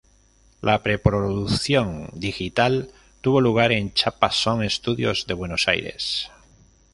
La preproducción digital tuvo lugar en Chapa Som Studios de Buenos Aires.